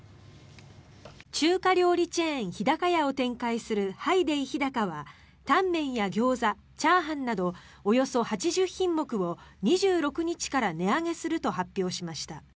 中華料理チェーン、日高屋を展開するハイデイ日高はタンメンやギョーザチャーハンなどおよそ８０品目を２６日から値上げすると発表しました。